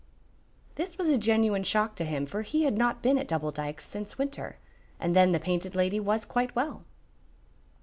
This was a genuine shock to him, for he had not been at Double Dykes since winter, and then the Painted Lady was quite well.